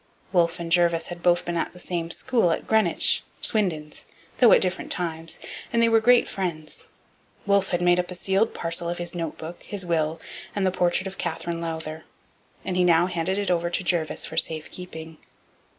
Wolfe and Jervis had both been at the same school at Greenwich, Swinden's, though at different times, and they were great friends. Wolfe had made up a sealed parcel of his notebook, his will, and the portrait of Katherine Lowther, and he now handed it over to Jervis for safe keeping.